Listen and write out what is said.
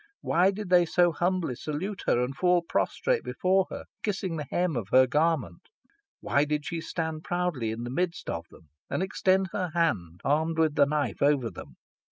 Why did they so humbly salute her, and fall prostrate before her, kissing the hem of her garment? Why did she stand proudly in the midst of them, and extend her hand, armed with the knife, over them?